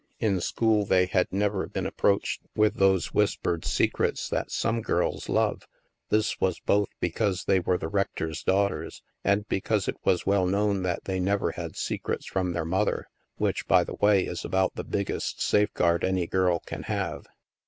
In school they had never been approached with those 20 THE MASK whispered secrets that some girls love; this was both because they were the rector's daughters, and because it was well known that they never had secrets from their mother, which, by the way, is about the biggest safeguard any girl can have.